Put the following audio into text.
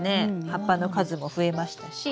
葉っぱの数も増えましたし。